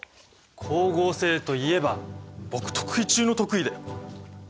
光合成といえば僕得意中の得意だよ。